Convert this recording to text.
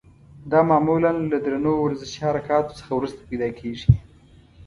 دا معمولا له درنو ورزشي حرکاتو څخه وروسته پیدا کېږي.